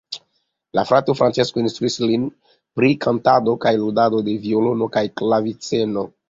La frato Francesco instruis lin pri kantado kaj ludado de violono kaj klaviceno.